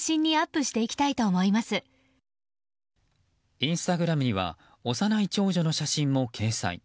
インスタグラムには幼い長女の写真も掲載。